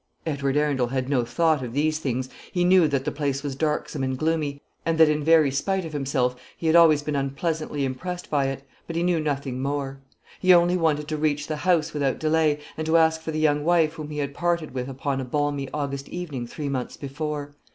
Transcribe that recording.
Edward Arundel had no thought of these things. He knew that the place was darksome and gloomy, and that, in very spite of himself, he had always been unpleasantly impressed by it; but he knew nothing more. He only wanted to reach the house without delay, and to ask for the young wife whom he had parted with upon a balmy August evening three months before.